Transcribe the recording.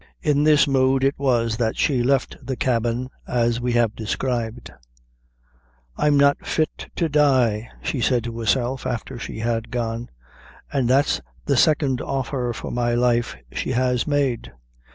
In this mood it was that she left the cabin as we have described. "I'm not fit to die," she said to herself, after she had gone "an' that's the second offer for my life she has made.